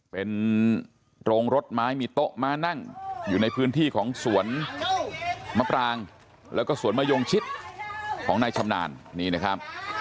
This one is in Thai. เป็นโรงรถไม้มีโต๊ะม้านั่งอยู่ในพื้นที่ของสวนมะปรางแล้วก็สวนมะยงชิดของนายชำนาญนี่นะครับ